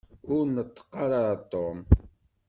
Ur neṭṭeq ara ɣer Tom.